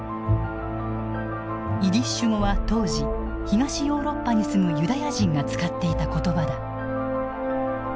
イディッシュ語は当時東ヨーロッパに住むユダヤ人が使っていた言葉だ。